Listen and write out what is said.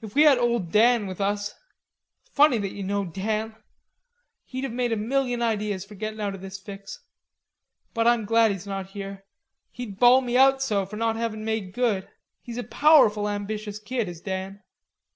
If we had old Dan with us.... Funny that you know Dan.... He'd have a million ideas for gettin' out of this fix. But I'm glad he's not here. He'd bawl me out so, for not havin' made good. He's a powerful ambitious kid, is Dan."